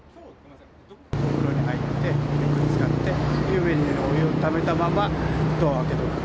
お風呂に入って、ゆっくりつかって、湯船にお湯をためたまま、ドアを開ける。